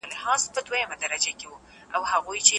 تاسي باید په ژوند کي د اخیرت توښه برابره کړئ.